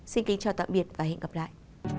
xin kính chào tạm biệt và hẹn gặp lại